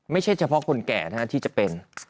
ไม่ใช่เฉพาะคนแก่ที่จะเป็น